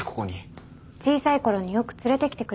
小さい頃によく連れてきてくれたでしょ。